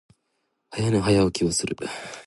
早寝、早起きをする。